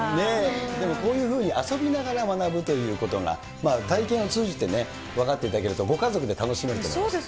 でもこういうふうに遊びながら学ぶということが、体験を通じて分かっていただけると、ご家族で楽しめると思います。